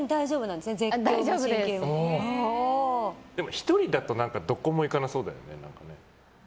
１人だとどこも行かなそうだよね。